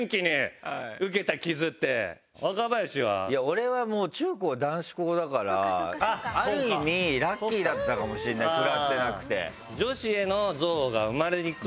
俺はもう中高男子校だからある意味ラッキーだったかもしれない食らってなくて。